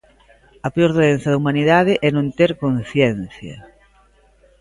A peor doenza da humanidade é non ter conciencia.